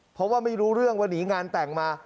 เพราะว่าไม่รู้เรื่องว่าหนีงานแต่งมา